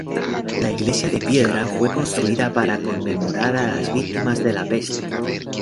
La iglesia de piedra fue construida para conmemorar a las víctimas de la peste.